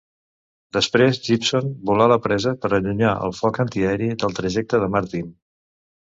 Després, Gibson volà la presa per allunyar el foc antiaeri del trajecte de Martin.